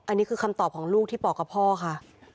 อันนี้คือคำตอบของลูกที่บอกกับพ่อค่ะ